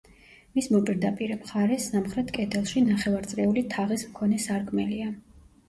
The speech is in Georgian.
მის მოპირდაპირე მხარეს, სამხრეთ კედელში, ნახევარწრიული თაღის მქონე სარკმელია.